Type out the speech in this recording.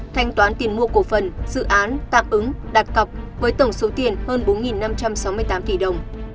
thanh toán tiền mua cổ phần dự án tạm ứng đặt cọc với tổng số tiền hơn bốn năm trăm sáu mươi tám tỷ đồng